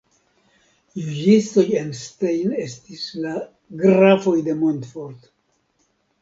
Juĝistoj en Stein estis la "Grafoj de Montfort".